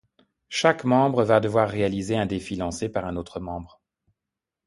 Chaque membre va devoir réaliser un défi lancé par un autre membre.